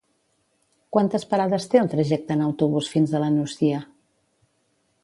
Quantes parades té el trajecte en autobús fins a la Nucia?